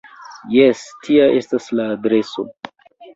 Jes, tia estas la adreso.